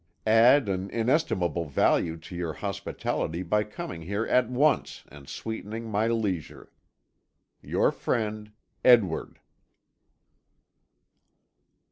Add an inestimable value to your hospitality by coming here at once and sweetening my leisure. "Your friend, "Edward."